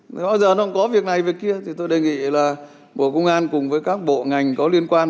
bao giờ nó cũng có việc này việc kia tôi đề nghị là bộ công an cùng với các bộ ngành có liên quan